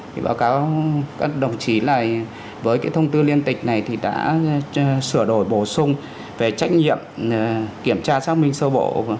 thì báo cáo các đồng chí là với cái thông tư liên tịch này thì đã sửa đổi bổ sung về trách nhiệm kiểm tra xác minh sơ bộ